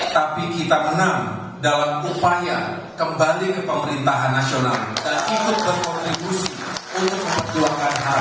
tapi kita menang dalam upaya kembali ke pemerintahan nasional dan ikut berkontribusi untuk memperjuangkan harapan